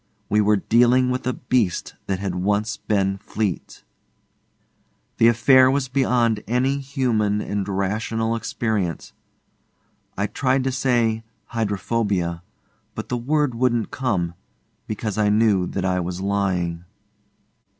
We were dealing with a beast that had once been Fleete. The affair was beyond any human and rational experience. I tried to say 'Hydrophobia,' but the word wouldn't come, because I knew that I was lying.